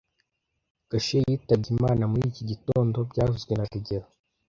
Gashuhe yitabye Imana muri iki gitondo byavuzwe na rugero